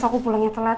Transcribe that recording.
aku pulangnya telat